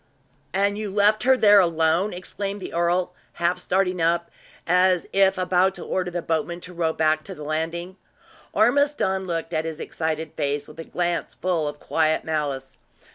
"And you left her there alone?" exclaimed the earl, half starting up, as if about to order the boatman to row back to the landing. Ormiston looked at his excited face with a glance full of quiet malice.